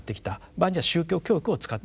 場合には宗教教育を使ってきた。